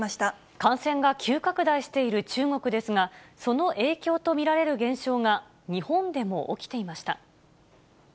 感染が急拡大している中国ですが、その影響と見られる現象が日本でも起きていました。